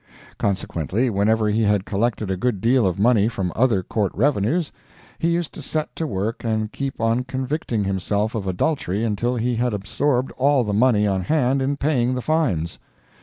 Consequently, whenever he had collected a good deal of money from other Court revenues, he used to set to work and keep on convicting himself of adultery until he had absorbed all the money on hand in paying the fines.